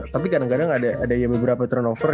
tapi kadang kadang ada yang beberapa turnover